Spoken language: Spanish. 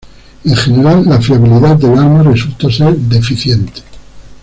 En general, la fiabilidad del arma resultó ser deficiente.